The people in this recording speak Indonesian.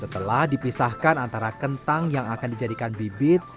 setelah dipisahkan antara kentang yang akan dijadikan bibit